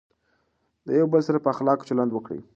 د یو بل سره په اخلاقو چلند وکړئ.